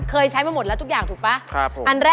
เคยใช้มาหมดแล้วทุกอย่างถูกป่ะ